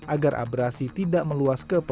agar abrasi tidak meluas ke pelangg